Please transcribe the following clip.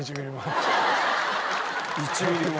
１ミリも。